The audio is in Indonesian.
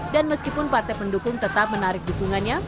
dan meskipun partai pendukung tetap menarik dukungannya